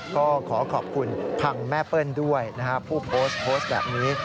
ก็ขอขอบคุณพังแม่เปิ้ลด้วยนะฮะผู้โพสต์โพสต์แบบนี้